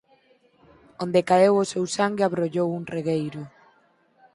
Onde caeu o seu sangue abrollou un regueiro.